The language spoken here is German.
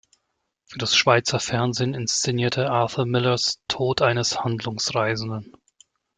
Für das Schweizer Fernsehen inszenierte er Arthur Millers "Tod eines Handlungsreisenden".